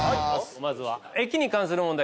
まずは駅に関する問題